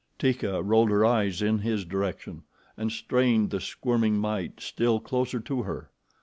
Teeka rolled her eyes in his direction and strained the squirming mite still closer to her.